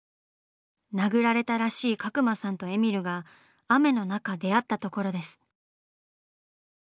殴られたらしい角間さんとえみるが雨の中出会ったところです。